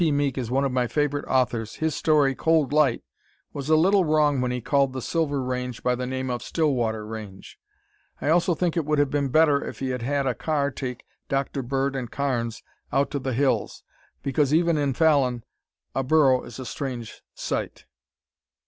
Meek is one of my favorite authors his story, "Cold Light," was a little wrong when he called the "Silver Range" by the name of "Stillwater Range." I also think it would have been better if he had had a car take Dr. Bird and Carnes out to the hills, became even in Fallon a burro is a strange sight.